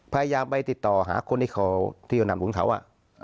พยายามไปติดต่อหาคนที่เขาที่เขานำหุนเขาว่า